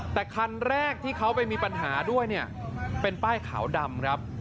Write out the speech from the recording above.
แต่คันแรกที่เขาไปมีปัญหาด้วยเนี่ยเป็นป้ายขาวดำครับ